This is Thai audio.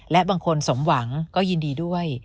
และบางคนสมหวังก็ยินดีด้วย